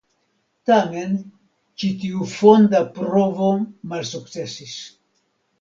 Tamen ĉi tiu fonda provo malsukcesis.